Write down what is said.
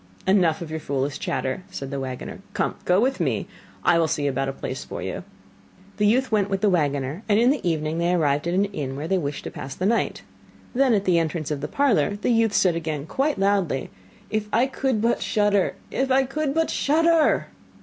'Enough of your foolish chatter,' said the waggoner. 'Come, go with me, I will see about a place for you.' The youth went with the waggoner, and in the evening they arrived at an inn where they wished to pass the night. Then at the entrance of the parlour the youth again said quite loudly: 'If I could but shudder! If I could but shudder!